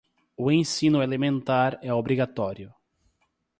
O ensino elementar é obrigatório.